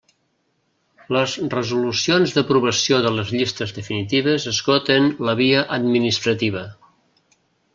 Les resolucions d'aprovació de les llistes definitives esgoten la via administrativa.